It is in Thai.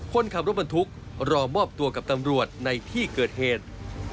คนขับรถบรรทุกรอมอบตัวกับตำรวจในที่เกิดเหตุ